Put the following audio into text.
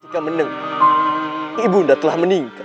ketika menengah ibu anda telah meninggal